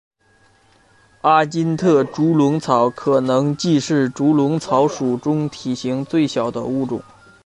阿金特猪笼草可能既是猪笼草属中体型最小的物种。